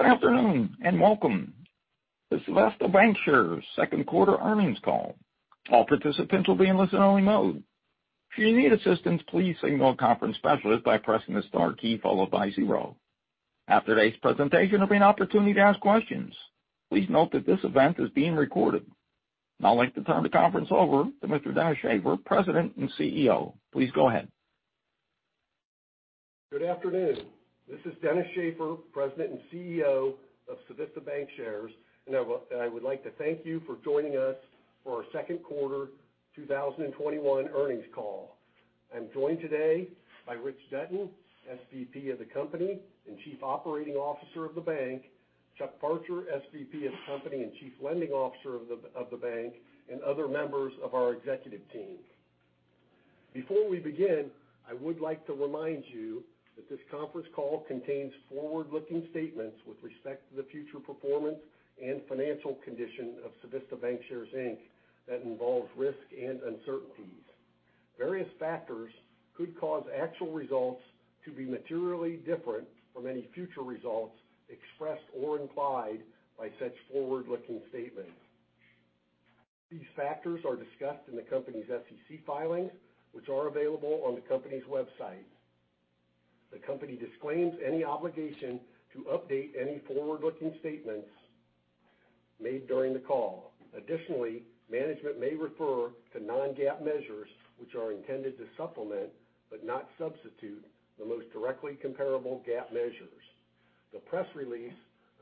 Good afternoon, and welcome to Civista Bancshares' second quarter earnings call. All participants will be in listen-only mode. If you need assistance, please signal a conference specialist by pressing the star key followed by zero. After today's presentation, there'll be an opportunity to ask questions. Please note that this event is being recorded. Now I'd like to turn the conference over to Mr. Dennis Shaffer, President and CEO. Please go ahead. Good afternoon. This is Dennis Shaffer, President and CEO of Civista Bancshares. I would like to thank you for joining us for our second quarter 2021 earnings call. I'm joined today by Rich Dutton, SVP of the company and Chief Operating Officer of the bank, Chuck Parcher, SVP of the company and Chief Lending Officer of the bank, and other members of our executive team. Before we begin, I would like to remind you that this conference call contains forward-looking statements with respect to the future performance and financial condition of Civista Bancshares, Inc that involves risk and uncertainties. Various factors could cause actual results to be materially different from any future results expressed or implied by such forward-looking statements. These factors are discussed in the company's SEC filings, which are available on the company's website. The company disclaims any obligation to update any forward-looking statements made during the call. Additionally, management may refer to non-GAAP measures, which are intended to supplement, but not substitute, the most directly comparable GAAP measures. The press release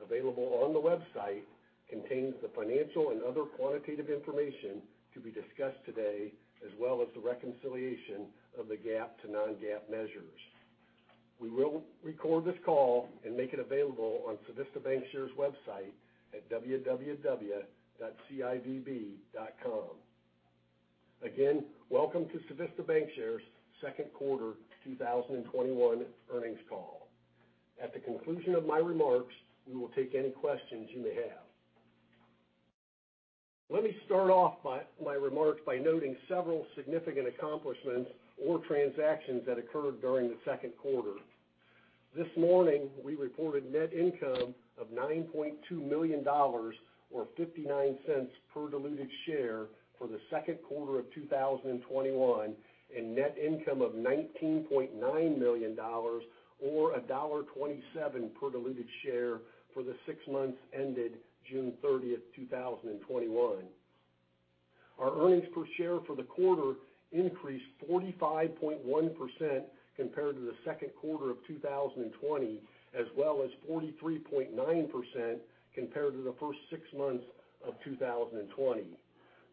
available on the website contains the financial and other quantitative information to be discussed today, as well as the reconciliation of the GAAP to non-GAAP measures. We will record this call and make it available on Civista Bancshares' website at www.civb.com. Again, welcome to Civista Bancshares' second quarter 2021 earnings call. At the conclusion of my remarks, we will take any questions you may have. Let me start off my remarks by noting several significant accomplishments or transactions that occurred during the second quarter. This morning, we reported net income of $9.2 million, or $0.59 per diluted share for the second quarter of 2021, and net income of $19.9 million, or $1.27 per diluted share for the six months ended June 30th, 2021. Our earnings per share for the quarter increased 45.1% compared to the second quarter of 2020, as well as 43.9% compared to the first six months of 2020.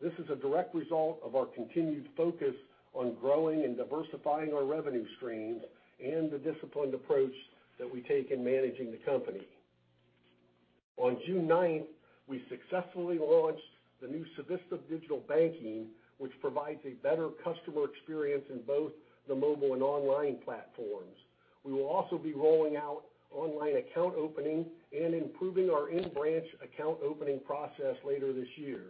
This is a direct result of our continued focus on growing and diversifying our revenue streams and the disciplined approach that we take in managing the company. On June 9th, we successfully launched the new Civista digital banking, which provides a better customer experience in both the mobile and online platforms. We will also be rolling out online account opening and improving our in-branch account opening process later this year.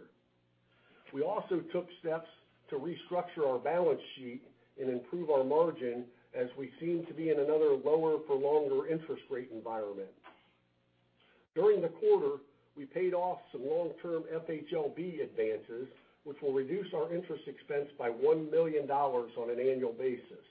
We also took steps to restructure our balance sheet and improve our margin as we seem to be in another lower, prolonged interest rate environment. During the quarter, we paid off some long-term FHLB advances, which will reduce our interest expense by $1 million on an annual basis.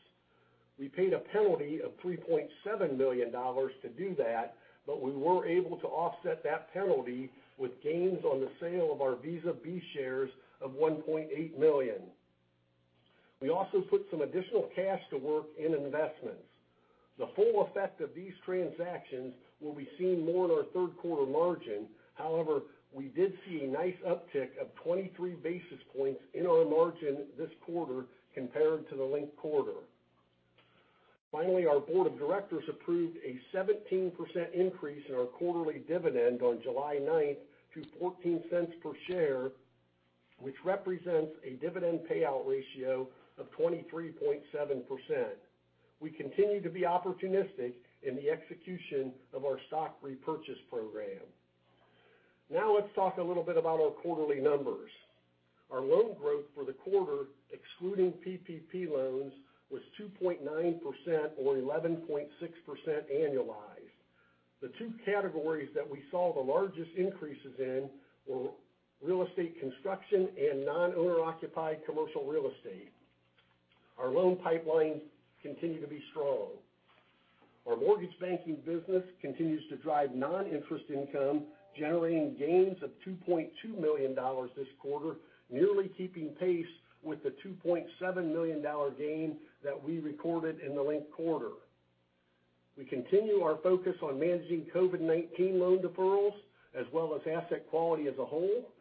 We paid a penalty of $3.7 million to do that. We were able to offset that penalty with gains on the sale of our Visa B shares of $1.8 million. We also put some additional cash to work in investments. The full effect of these transactions will be seen more in our third-quarter margin. We did see a nice uptick of 23 basis points in our margin this quarter compared to the linked quarter. Finally, our board of directors approved a 17% increase in our quarterly dividend on July 9th to $0.14 per share, which represents a dividend payout ratio of 23.7%. We continue to be opportunistic in the execution of our stock repurchase program. Now let's talk a little bit about our quarterly numbers. Our loan growth for the quarter, excluding PPP loans, was 2.9%, or 11.6% annualized. The two categories that we saw the largest increases in were real estate construction and non-owner-occupied commercial real estate. Our loan pipelines continue to be strong. Our mortgage banking business continues to drive non-interest income, generating gains of $2.2 million this quarter, nearly keeping pace with the $2.7 million gain that we recorded in the linked quarter. We continue our focus on managing COVID-19 loan deferrals, as well as asset quality as a whole.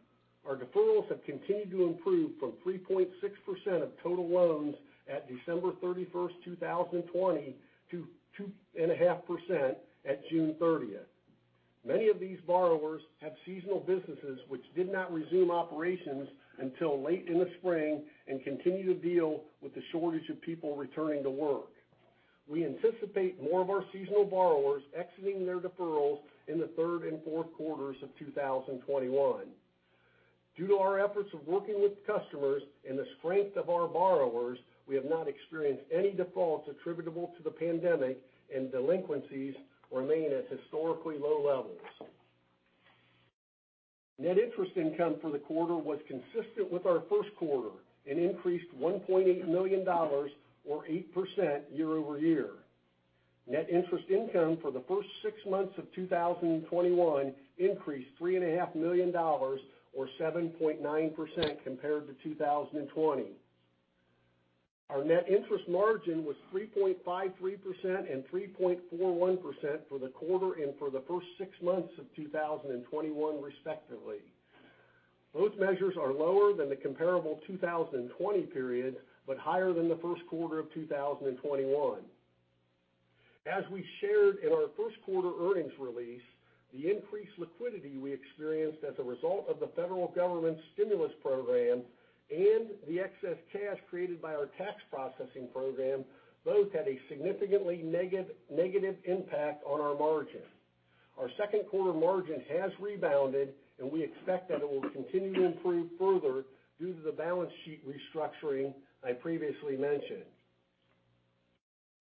Our deferrals have continued to improve from 3.6% of total loans at December 31, 2020, to 2.5% at June 30. Many of these borrowers have seasonal businesses which did not resume operations until late in the spring and continue to deal with the shortage of people returning to work. We anticipate more of our seasonal borrowers exiting their deferrals in the third and fourth quarters of 2021. Due to our efforts of working with customers and the strength of our borrowers, we have not experienced any defaults attributable to the pandemic, and delinquencies remain at historically low levels. Net interest income for the quarter was consistent with our first quarter and increased $1.8 million, or 8%, year-over-year. Net interest income for the first six months of 2021 increased $3.5 million, or 7.9%, compared to 2020. Our net interest margin was 3.53% and 3.41% for the quarter and for the first six months of 2021 respectively. Both measures are lower than the comparable 2020 period, but higher than the first quarter of 2021. As we shared in our first quarter earnings release, the increased liquidity we experienced as a result of the federal government's stimulus program and the excess cash created by our tax processing program, both had a significantly negative impact on our margin. Our second quarter margin has rebounded, and we expect that it will continue to improve further due to the balance sheet restructuring I previously mentioned.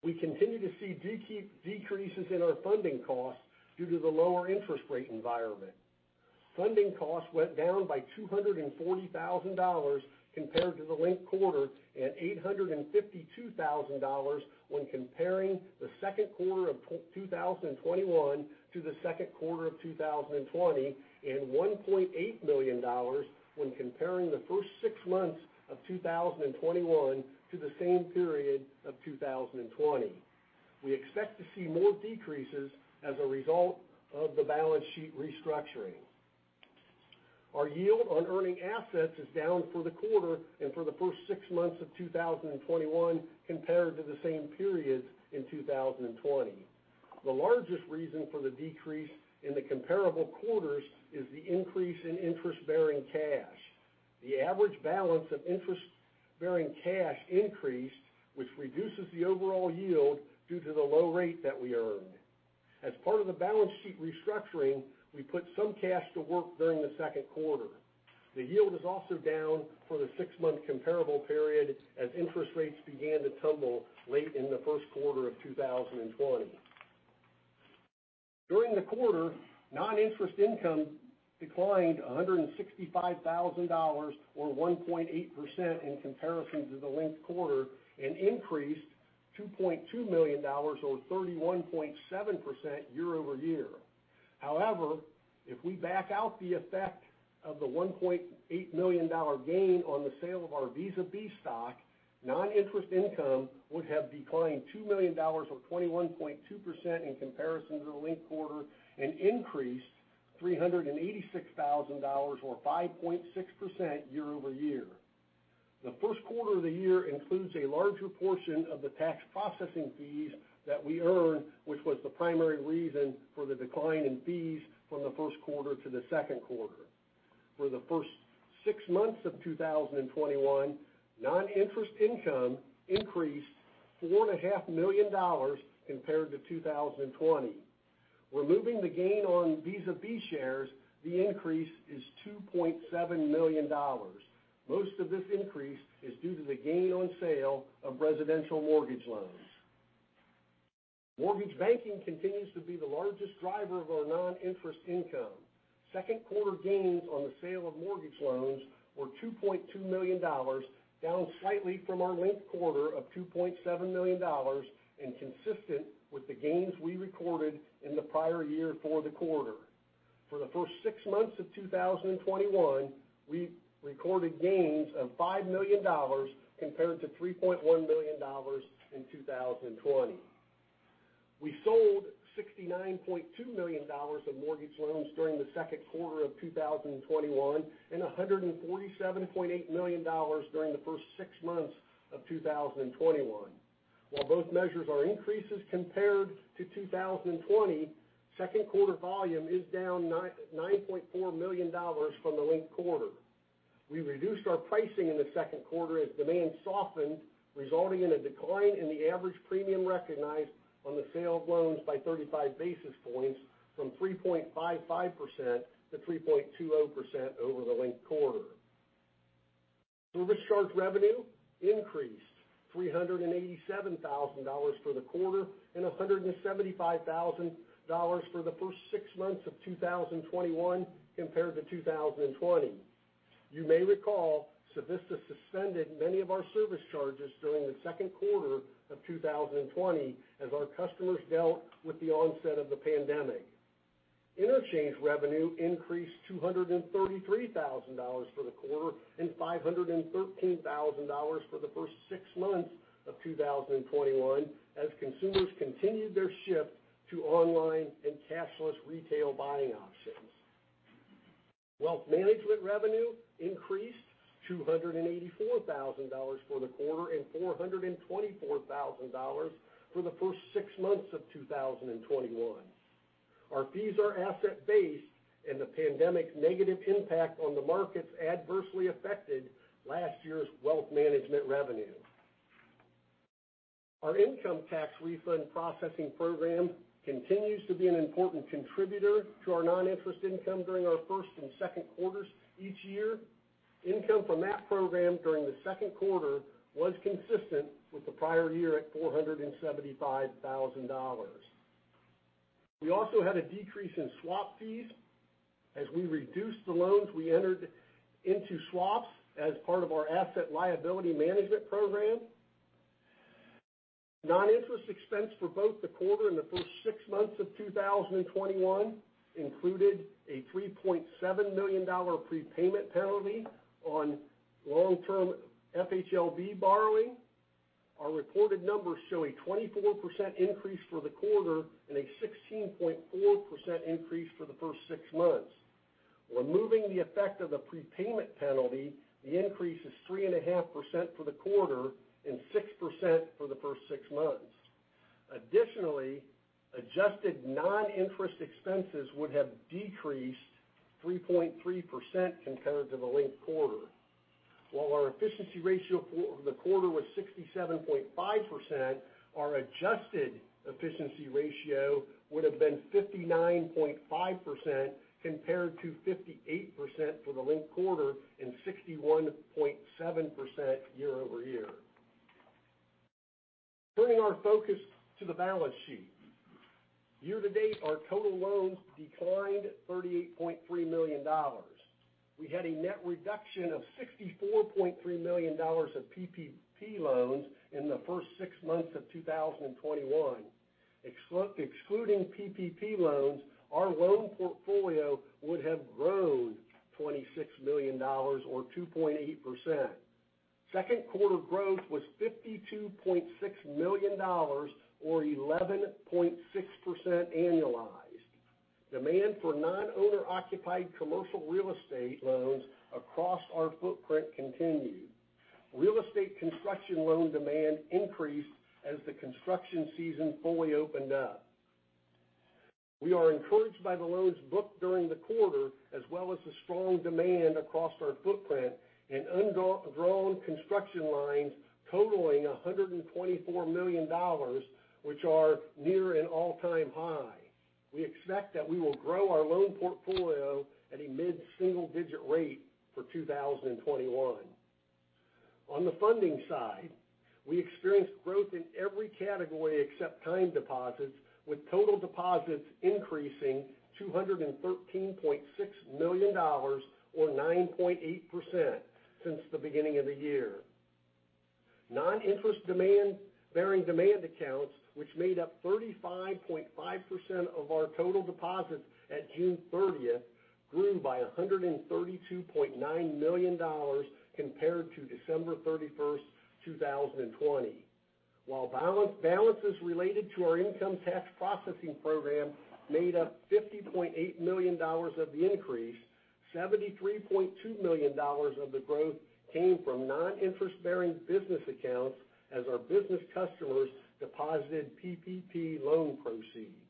We continue to see decreases in our funding costs due to the lower interest rate environment. Funding costs went down by $240,000 compared to the linked quarter and $852,000 when comparing the second quarter of 2021 to the second quarter of 2020, and $1.8 million when comparing the first six months of 2021 to the same period of 2020. We expect to see more decreases as a result of the balance sheet restructuring. Our yield on earning assets is down for the quarter and for the first six months of 2021 compared to the same period in 2020. The largest reason for the decrease in the comparable quarters is the increase in interest-bearing cash. The average balance of interest-bearing cash increased, which reduces the overall yield due to the low rate that we earned. As part of the balance sheet restructuring, we put some cash to work during the second quarter. The yield is also down for the six-month comparable period as interest rates began to tumble late in the first quarter of 2020. During the quarter, non-interest income declined $165,000, or 1.8%, in comparison to the linked quarter, and increased $2.2 million, or 31.7%, year-over-year. If we back out the effect of the $1.8 million gain on the sale of our Visa B stock, non-interest income would have declined $2 million, or 21.2%, in comparison to the linked quarter, and increased $386,000, or 5.6%, year-over-year. The first quarter of the year includes a larger portion of the tax processing fees that we earned, which was the primary reason for the decline in fees from the first quarter to the second quarter. For the first six months of 2021, non-interest income increased $4.5 million compared to 2020. Removing the gain on Visa B shares, the increase is $2.7 million. Most of this increase is due to the gain on sale of residential mortgage loans. Mortgage banking continues to be the largest driver of our non-interest income. Second quarter gains on the sale of mortgage loans were $2.2 million, down slightly from our linked quarter of $2.7 million, and consistent with the gains we recorded in the prior year for the quarter. For the first six months of 2021, we recorded gains of $5 million compared to $3.1 million in 2020. We sold $69.2 million of mortgage loans during the second quarter of 2021 and $147.8 million during the first six months of 2021. While both measures are increases compared to 2020, second quarter volume is down $9.4 million from the linked quarter. We reduced our pricing in the second quarter as demand softened, resulting in a decline in the average premium recognized on the sale of loans by 35 basis points from 3.55% to 3.20% over the linked quarter. Service charge revenue increased $387,000 for the quarter and $175,000 for the first six months of 2021 compared to 2020. You may recall Civista suspended many of our service charges during the second quarter of 2020 as our customers dealt with the onset of the pandemic. Interchange revenue increased $233,000 for the quarter and $513,000 for the first six months of 2021 as consumers continued their shift to online and cashless retail buying options. Wealth management revenue increased $284,000 for the quarter and $424,000 for the first six months of 2021. Our fees are asset-based, and the pandemic's negative impact on the markets adversely affected last year's wealth management revenue. Our income tax refund processing program continues to be an important contributor to our non-interest income during our first and second quarters each year. Income from that program during the second quarter was consistent with the prior year at $475,000. We also had a decrease in swap fees as we reduced the loans we entered into swaps as part of our asset liability management program. Non-interest expense for both the quarter and the first six months of 2021 included a $3.7 million prepayment penalty on long-term FHLB borrowing. Our reported numbers show a 24% increase for the quarter and a 16.4% increase for the first six months. Removing the effect of the prepayment penalty, the increase is 3.5% for the quarter and 6% for the first six months. Additionally, adjusted non-interest expenses would have decreased 3.3% compared to the linked quarter. While our efficiency ratio for the quarter was 67.5%, our adjusted efficiency ratio would've been 59.5%, compared to 58% for the linked quarter and 61.7% year-over-year. Turning our focus to the balance sheet. Year to date, our total loans declined $38.3 million. We had a net reduction of $64.3 million of PPP loans in the first six months of 2021. Excluding PPP loans, our loan portfolio would have grown $26 million, or 2.8%. Second quarter growth was $52.6 million, or 11.6% annualized. Demand for non-owner occupied commercial real estate loans across our footprint continued. Real estate construction loan demand increased as the construction season fully opened up. We are encouraged by the loans booked during the quarter, as well as the strong demand across our footprint, and undrawn construction lines totaling $124 million, which are near an all-time high. We expect that we will grow our loan portfolio at a mid-single-digit rate for 2021. On the funding side, we experienced growth in every category except time deposits, with total deposits increasing $213.6 million, or 9.8%, since the beginning of the year. Non-interest bearing demand accounts, which made up 35.5% of our total deposits at June 30th, grew by $132.9 million compared to December 31st, 2020. While balances related to our income tax processing program made up $50.8 million of the increase, $73.2 million of the growth came from non-interest-bearing business accounts as our business customers deposited PPP loan proceeds.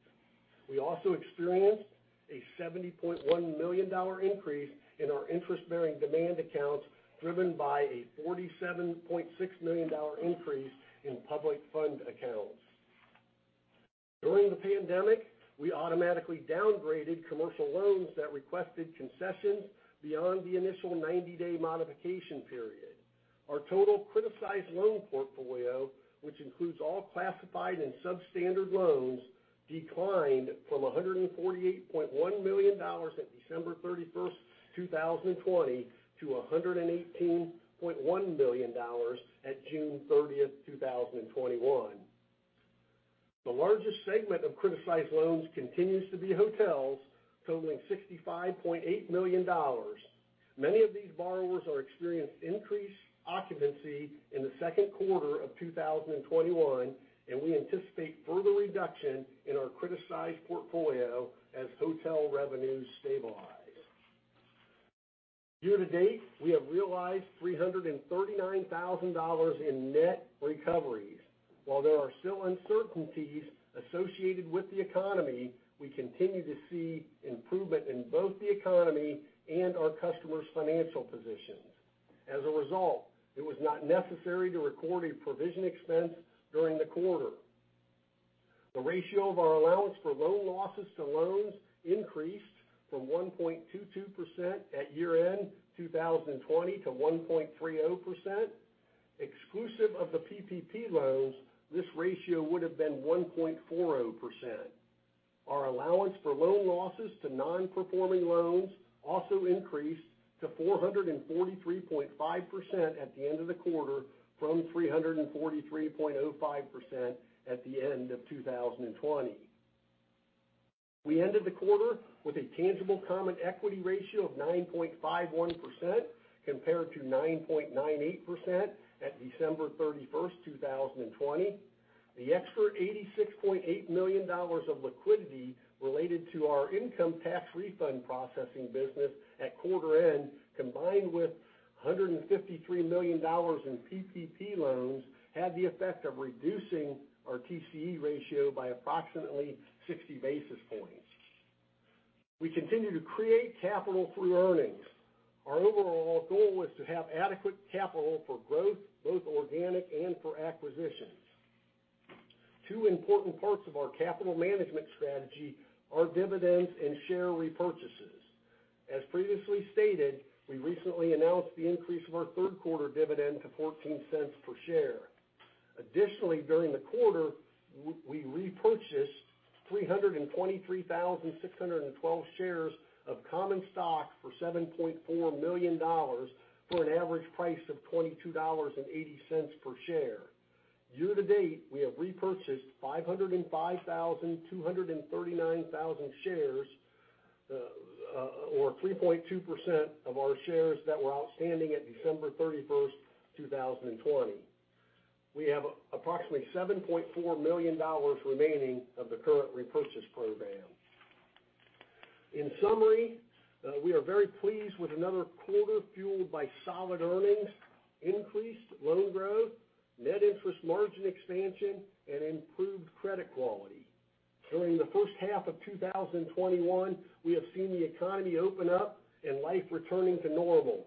We also experienced a $70.1 million increase in our interest-bearing demand accounts, driven by a $47.6 million increase in public fund accounts. During the pandemic, we automatically downgraded commercial loans that requested concessions beyond the initial 90-day modification period. Our total criticized loan portfolio, which includes all classified and substandard loans, declined from $148.1 million at December 31st, 2020, to $118.1 million at June 30th, 2021. The largest segment of criticized loans continues to be hotels, totaling $65.8 million. Many of these borrowers are experiencing increased occupancy in the second quarter of 2021, and we anticipate further reduction in our criticized portfolio as hotel revenues stabilize. Year to date, we have realized $339,000 in net recoveries. While there are still uncertainties associated with the economy, we continue to see improvement in both the economy and our customers' financial positions. As a result, it was not necessary to record a provision expense during the quarter. The ratio of our allowance for loan losses to loans increased from 1.22% at year-end 2020 to 1.30%. Exclusive of the PPP loans, this ratio would've been 1.40%. Our allowance for loan losses to non-performing loans also increased to 443.5% at the end of the quarter from 343.05% at the end of 2020. We ended the quarter with a tangible common equity ratio of 9.51%, compared to 9.98% at December 31st, 2020. The extra $86.8 million of liquidity related to our income tax refund processing business at quarter-end, combined with $153 million in PPP loans, had the effect of reducing our TCE ratio by approximately 60 basis points. We continue to create capital through earnings. Our overall goal is to have adequate capital for growth, both organic and for acquisitions. Two important parts of our capital management strategy are dividends and share repurchases. As previously stated, we recently announced the increase of our third quarter dividend to $0.14 per share. Additionally, during the quarter, we repurchased 323,612 shares of common stock for $7.4 million, for an average price of $22.80 per share. Year to date, we have repurchased 505,239 shares, or 3.2% of our shares that were outstanding at December 31st, 2020. We have approximately $7.4 million remaining of the current repurchase program. In summary, we are very pleased with another quarter fueled by solid earnings, increased loan growth, net interest margin expansion, and improved credit quality. During the first half of 2021, we have seen the economy open up and life returning to normal.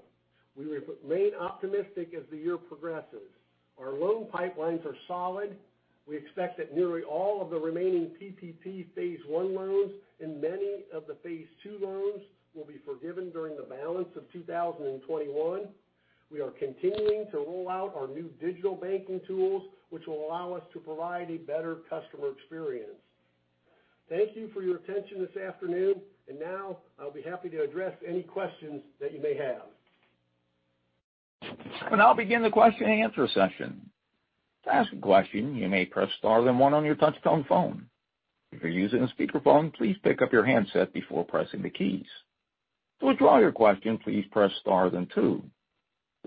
We remain optimistic as the year progresses. Our loan pipelines are solid. We expect that nearly all of the remaining PPP Phase 1 loans and many of the Phase 2 loans will be forgiven during the balance of 2021. We are continuing to roll out our new digital banking tools, which will allow us to provide a better customer experience. Thank you for your attention this afternoon, now I'll be happy to address any questions that you may have.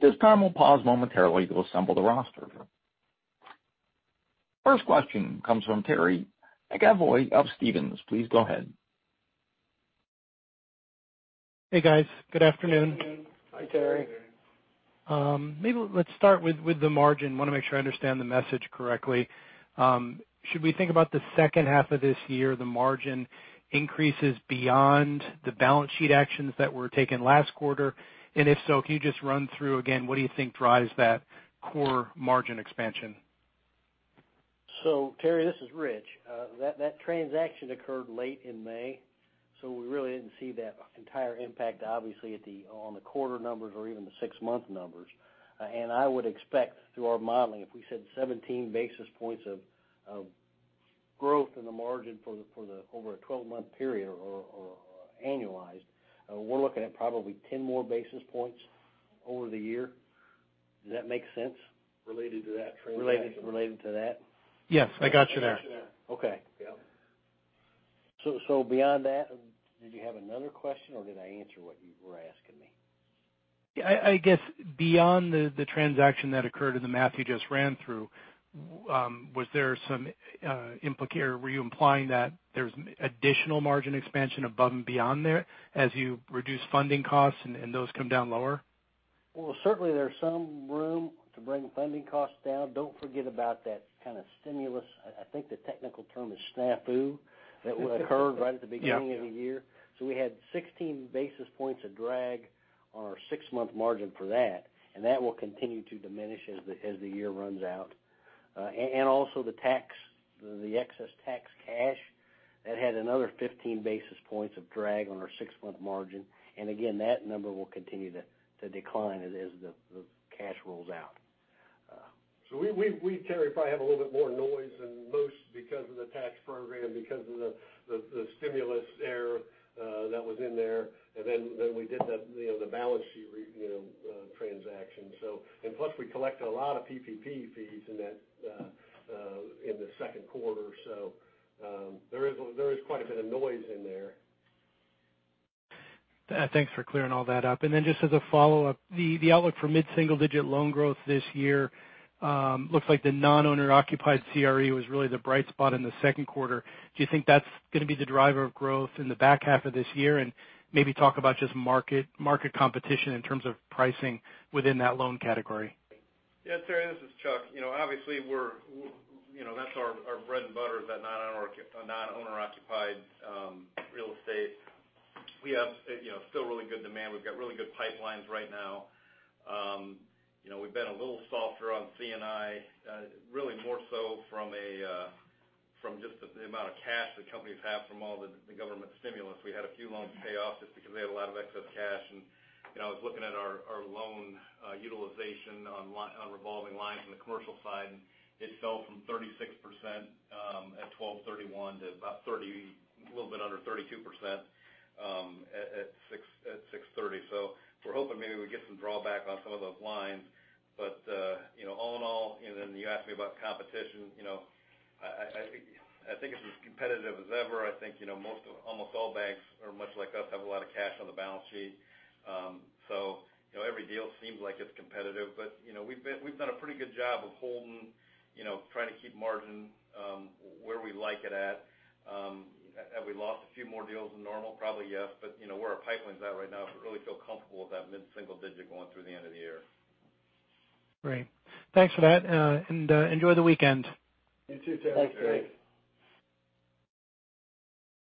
First question comes from Terry McEvoy of Stephens. Please go ahead. Hey, guys. Good afternoon. Hi, Terry. Maybe let's start with the margin. Want to make sure I understand the message correctly. Should we think about the second half of this year, the margin increases beyond the balance sheet actions that were taken last quarter? If so, can you just run through again, what do you think drives that core margin expansion? Terry, this is Rich. That transaction occurred late in May, so we really didn't see that entire impact, obviously, on the quarter numbers or even the six-month numbers. I would expect through our modeling, if we said 17 basis points of growth in the margin over a 12-month period or annualized, we're looking at probably 10 more basis points over the year. Does that make sense? Related to that transaction. Related to that? Yes, I got you there. Okay. Yep. Beyond that, did you have another question, or did I answer what you were asking me? I guess beyond the transaction that occurred and the math you just ran through, were you implying that there's additional margin expansion above and beyond there as you reduce funding costs and those come down lower? Well, certainly there's some room to bring funding costs down. Don't forget about that kind of stimulus, I think the technical term is snafu, that would occur right at the beginning of the year. We had 16 basis points of drag on our six-month margin for that, and that will continue to diminish as the year runs out. Also, the excess tax cash, that had another 15 basis points of drag on our six-month margin. Again, that number will continue to decline as the cash rolls out. We, Terry, probably have a little bit more noise than most because of the tax program, because of the stimulus error that was in there. We did the balance sheet transaction. Plus, we collected a lot of PPP fees in the second quarter. There is quite a bit of noise in there. Thanks for clearing all that up. Then just as a follow-up, the outlook for mid-single-digit loan growth this year, looks like the non-owner occupied CRE was really the bright spot in the second quarter. Do you think that's going to be the driver of growth in the back half of this year? Maybe talk about just market competition in terms of pricing within that loan category. Terry, this is Chuck. Obviously, that's our bread and butter, is that non-owner occupied real estate. We have still really good demand. We've got really good pipelines right now. We've been a little softer on C&I, really more so from just the amount of cash that companies have from all the government stimulus. We had a few loans pay off just because they had a lot of excess cash. I was looking at our loan utilization on revolving lines on the commercial side, and it fell from 36% at 12/31 to a little bit under 32% at 6/30. We're hoping maybe we get some drawback on some of those lines. All in all, and then you asked me about competition, I think it's as competitive as ever. I think almost all banks are much like us, have a lot of cash on the balance sheet. Every deal seems like it's competitive. We've done a pretty good job of holding, trying to keep margin where we like it at. Have we lost a few more deals than normal? Probably, yes. Where our pipeline's at right now, we really feel comfortable with that mid-single digit going through the end of the year. Great. Thanks for that, and enjoy the weekend. You too, Terry. Thanks, Terry.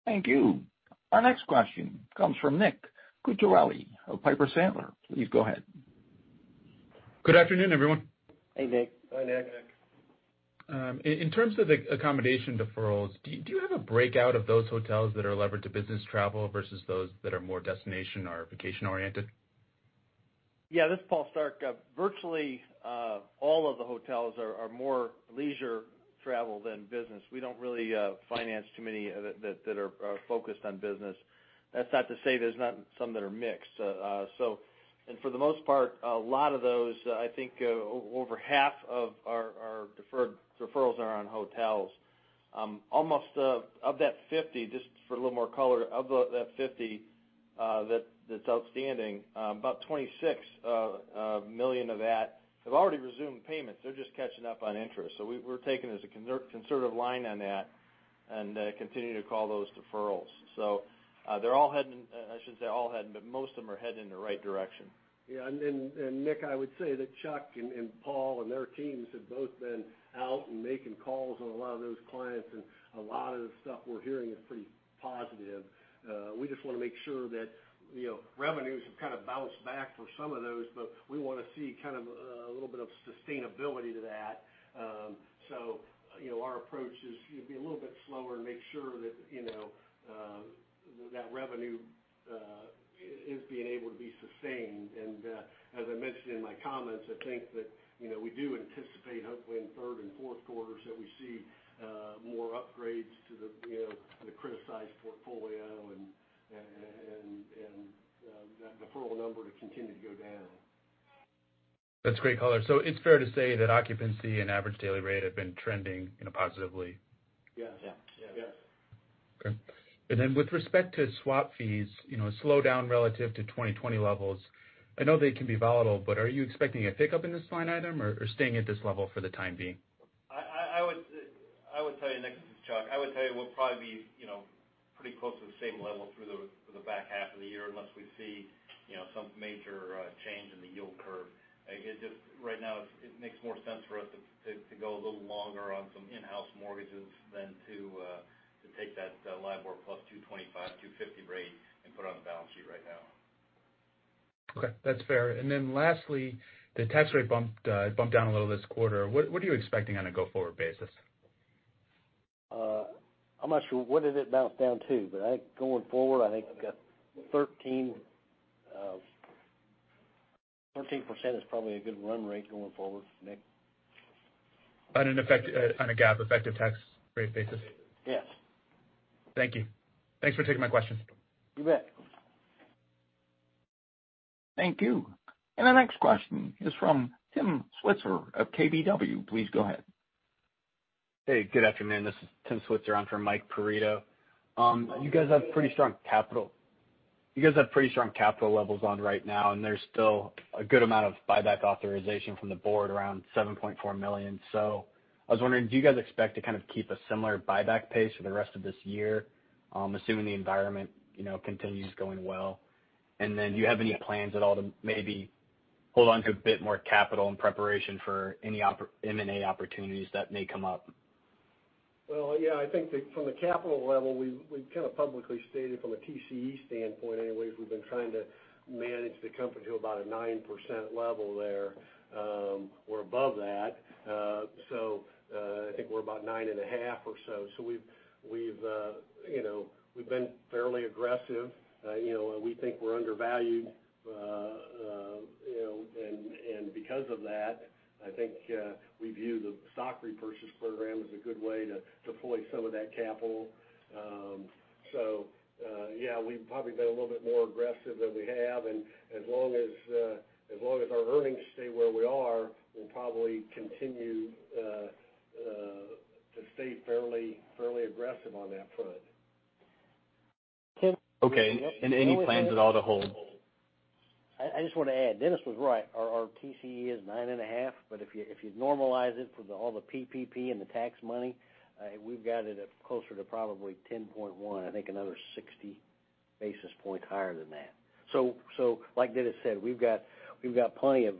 Thank you. Our next question comes from Nick Cucharale of Piper Sandler. Please go ahead. Good afternoon, everyone. Hey, Nick. Hi, Nick. In terms of the accommodation deferrals, do you have a breakout of those hotels that are levered to business travel versus those that are more destination or vacation oriented? Yeah, this is Paul Stark. Virtually all of the hotels are more leisure travel than business. We don't really finance too many that are focused on business. That's not to say there's not some that are mixed. For the most part, a lot of those, I think, over half of our deferrals are on hotels. Just for a little more color, of that $50 million that's outstanding, about $26 million of that have already resumed payments. They're just catching up on interest. We're taking as a conservative line on that and continue to call those deferrals. They're all heading, I shouldn't say all heading, but most of them are heading in the right direction. Yeah. Nick, I would say that Chuck and Paul and their teams have both been out and making calls on a lot of those clients, and a lot of the stuff we're hearing is pretty positive. We just want to make sure that revenues have kind of bounced back for some of those, but we want to see a little bit of sustainability to that. Our approach is be a little bit slower and make sure that revenue is being able to be sustained. As I mentioned in my comments, I think that we do anticipate, hopefully in third and fourth quarters, that we see more upgrades to the criticized portfolio and that deferral number to continue to go down. That's great color. It's fair to say that occupancy and average daily rate have been trending positively? Yes. Yeah. Yes. Okay. With respect to swap fees, a slowdown relative to 2020 levels, I know they can be volatile, but are you expecting a pickup in this line item, or staying at this level for the time being? I would tell you, Nick, this is Chuck. I would tell you we'll probably be pretty close to the same level through the back half of the year, unless we see some major change in the yield curve. Right now, it makes more sense for us to go a little longer on some in-house mortgages than to take that LIBOR plus 225, 250 rate and put it on the balance sheet right now. Okay. That's fair. Lastly, the tax rate bumped down a little this quarter. What are you expecting on a go-forward basis? I'm not sure what did it bounce down to, but I think going forward, I think we've got 13% is probably a good run rate going forward, Nick. On a GAAP effective tax rate basis? Yes. Thank you. Thanks for taking my question. You bet. Thank you. Our next question is from Tim Switzer of KBW. Please go ahead. Hey, good afternoon. This is Tim Switzer on for Mike Perito. You guys have pretty strong capital levels on right now, and there's still a good amount of buyback authorization from the board, around $7.4 million. I was wondering, do you guys expect to kind of keep a similar buyback pace for the rest of this year, assuming the environment continues going well? Do you have any plans at all to maybe hold onto a bit more capital in preparation for any M&A opportunities that may come up? Well, yeah, I think from the capital level, we've kind of publicly stated from a TCE standpoint anyways, we've been trying to manage the company to about a 9% level there. We're above that. I think we're about 9.5% or so. We've been fairly aggressive. We think we're undervalued, and because of that, I think we view the stock repurchase program as a good way to deploy some of that capital. Yeah, we've probably been a little bit more aggressive than we have, and as long as our earnings stay where we are, we'll probably continue to stay fairly aggressive on that front. Okay. Any plans at how to hold? I just want to add, Dennis was right. Our TCE is 9.5%. If you normalize it for all the PPP and the tax money, we've got it at closer to probably 10.1%, I think another 60 basis points higher than that. Like Dennis said, we've got plenty of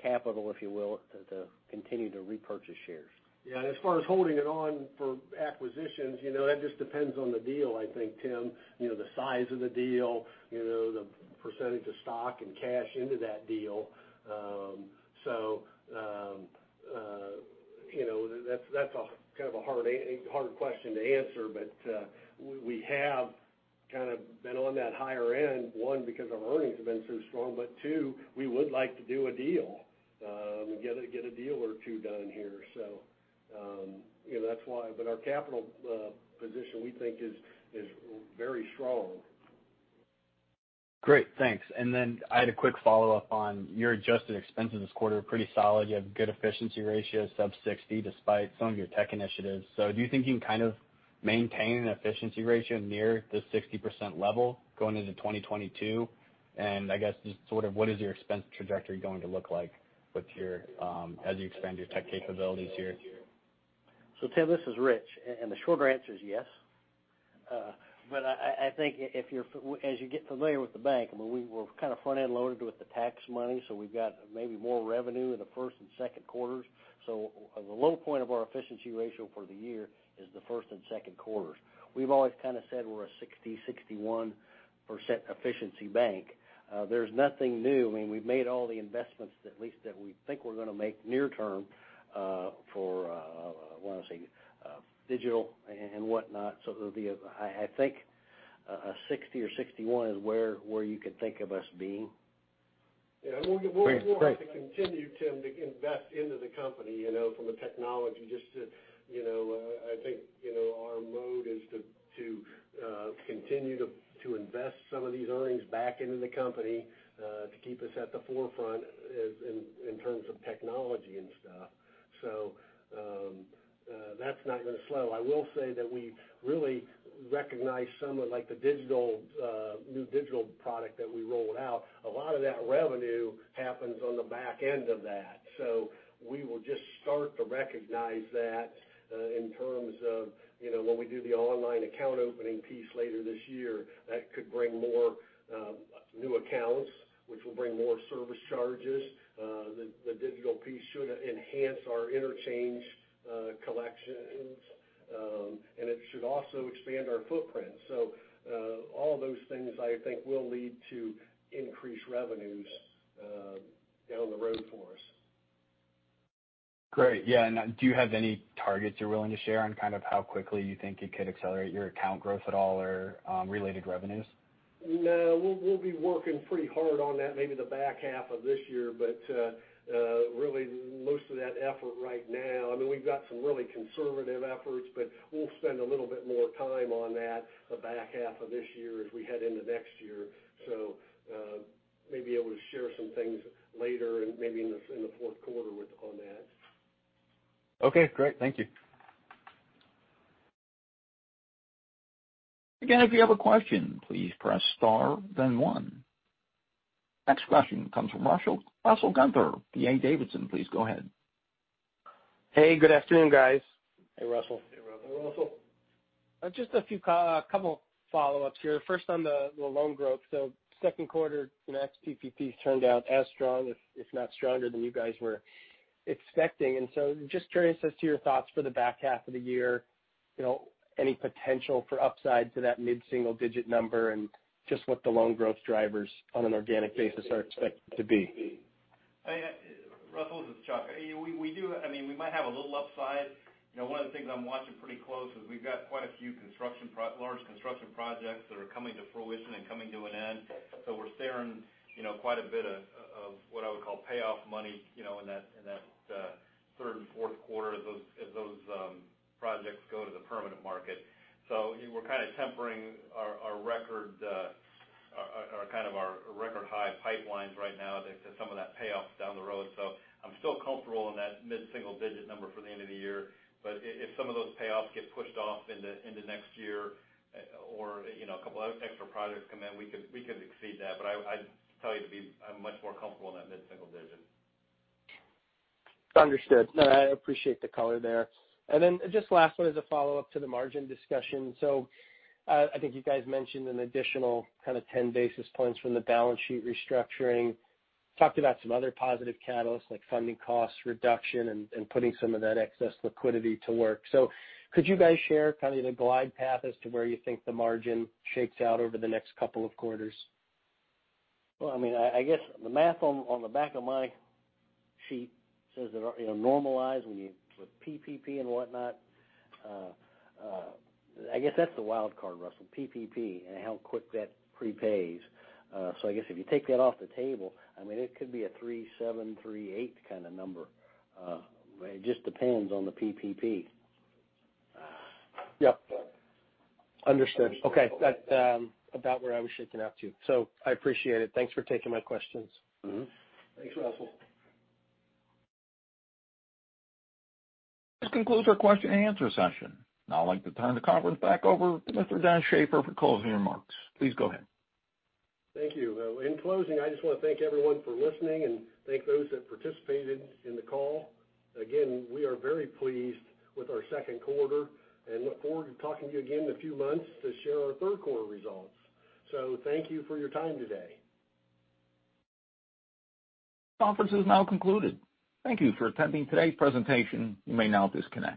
capital, if you will, to continue to repurchase shares. As far as holding it on for acquisitions, that just depends on the deal, I think, Tim. The size of the deal, the percentage of stock and cash into that deal. That's kind of a hard question to answer, but we have kind of been on that higher end. One, because our earnings have been so strong, but two, we would like to do a deal. Get a deal or two done here. That's why. Our capital position, we think, is very strong. Great. Thanks. I had a quick follow-up on your adjusted expenses this quarter. Pretty solid. You have good efficiency ratio, sub 60, despite some of your tech initiatives. Do you think you can kind of maintain an efficiency ratio near the 60% level going into 2022? I guess, just sort of what is your expense trajectory going to look like as you expand your tech capabilities here? Tim, this is Rich, and the shorter answer is yes. I think as you get familiar with the bank, we were kind of front-end loaded with the tax money, so we've got maybe more revenue in the first and second quarters. The low point of our efficiency ratio for the year is the first and second quarters. We've always kind of said we're a 60%, 61% efficiency bank. There's nothing new. We've made all the investments that, at least, that we think we're going to make near term for, want to say, digital and whatnot. I think 60% or 61% is where you could think of us being. We'll have to continue, Tim, to invest into the company, from the technology, just to I think our mode is to continue to invest some of these earnings back into the company to keep us at the forefront in terms of technology and stuff. That's not going to slow. I will say that we've really recognized some of the new digital product that we rolled out. A lot of that revenue happens on the back end of that. We will just start to recognize that in terms of when we do the online account opening piece later this year, that could bring more new accounts, which will bring more service charges. The digital piece should enhance our interchange collections, and it should also expand our footprint. All those things, I think, will lead to increased revenues down the road for us. Great. Yeah, do you have any targets you're willing to share on kind of how quickly you think it could accelerate your account growth at all or related revenues? We'll be working pretty hard on that maybe the back half of this year. Really most of that effort right now, we've got some really conservative efforts, but we'll spend a little bit more time on that the back half of this year as we head into next year. We may be able to share some things later and maybe in the fourth quarter on that. Okay, great. Thank you. Again, if you have a question, please press star then one. Next question comes from Russell Gunther, D.A. Davidson. Please go ahead. Hey, good afternoon, guys. Hey, Russell. Hey, Russell. Just a few, couple follow-ups here. First on the loan growth. Second quarter ex PPP turned out as strong if not stronger than you guys were expecting. Just curious as to your thoughts for the back half of the year, any potential for upside to that mid-single digit number and just what the loan growth drivers on an organic basis are expected to be. Russell, this is Chuck. We might have a little upside. One of the things I'm watching pretty close is we've got quite a few large construction projects that are coming to fruition and coming to an end. We're staring quite a bit of what I would call payoff money in that third and fourth quarter as those projects go to the permanent market. We're kind of tempering our record-high pipelines right now to some of that payoff down the road. I'm still comfortable in that mid-single-digit number for the end of the year. If some of those payoffs get pushed off into next year or a couple of extra projects come in, we could exceed that. I tell you, I'm much more comfortable in that mid-single digit. Understood. No, I appreciate the color there. Just last one as a follow-up to the margin discussion. I think you guys mentioned an additional kind of 10 basis points from the balance sheet restructuring. Talked about some other positive catalysts like funding cost reduction and putting some of that excess liquidity to work. Could you guys share kind of the glide path as to where you think the margin shakes out over the next couple of quarters? Well, I guess the math on the back of my sheet says that normalized when you, with PPP and whatnot, I guess that's the wild card, Russell, PPP, and how quick that prepays. I guess if you take that off the table, it could be a 3.7, 3.8 kind of number. It just depends on the PPP. Yep. Understood. Okay. That's about where I was shaking out, too. I appreciate it. Thanks for taking my questions. Thanks, Russell. This concludes our question-and-answer session. Now I'd like to turn the conference back over to Mr. Dennis Shaffer for closing remarks. Please go ahead. Thank you. In closing, I just want to thank everyone for listening and thank those that participated in the call. We are very pleased with our second quarter and look forward to talking to you again in a few months to share our third quarter results. Thank you for your time today. Conference is now concluded. Thank you for attending today's presentation. You may now disconnect.